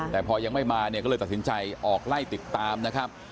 แต่พอยังไม่มาเนี่ยก็เลยตัดสินใจออกไล่ติดตามนะครับ